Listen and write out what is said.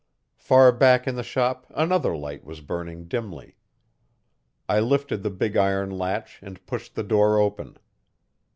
Far back in the shop another light was burning dimly. I lifted the big iron latch and pushed the door open.